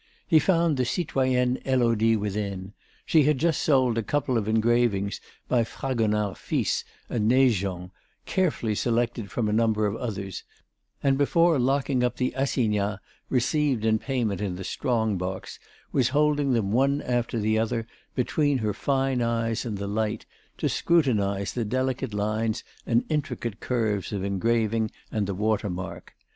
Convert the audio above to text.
He found the citoyenne Élodie within; she had just sold a couple of engravings by Fragonard fils and Naigeon, carefully selected from a number of others, and before locking up the assignats received in payment in the strong box, was holding them one after the other between her fine eyes and the light, to scrutinize the delicate lines and intricate curves of engraving and the watermark.